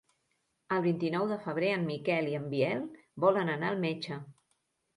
El vint-i-nou de febrer en Miquel i en Biel volen anar al metge.